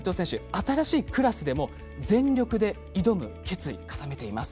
新しいクラスでも全力で挑む決意を固めています。